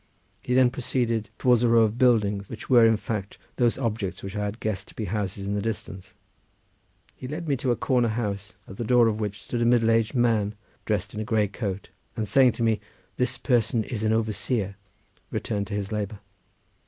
He then proceeded towards a row of buildings, which were in fact those objects which I had guessed to be houses in the distance. He led me to a corner house, at the door of which stood a middle aged man, dressed in a grey coat, and saying to me, "This person is an overseer," returned to his labour.